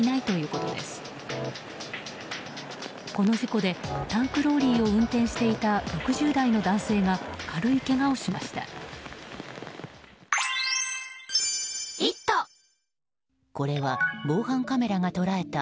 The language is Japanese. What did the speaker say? この事故でタンクローリーを運転していた６０代の男性が軽いけがをしました。